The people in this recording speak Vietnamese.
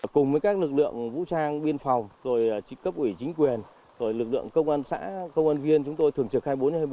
cùng với các lực lượng vũ trang biên phòng rồi cấp ủy chính quyền lực lượng công an xã công an viên chúng tôi thường trực hai mươi bốn hai mươi bốn